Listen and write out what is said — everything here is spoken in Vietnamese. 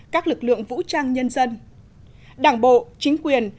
các lực lượng vũ trang nhân dân đảng bộ chính quyền